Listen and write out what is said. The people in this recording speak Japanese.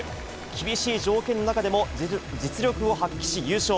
厳しい条件の中でも実力を発揮し優勝。